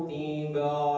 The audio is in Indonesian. apa yang kita lakukan